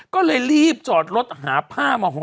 ก็เลยรีบจอดรถหาผ้ามาห่อ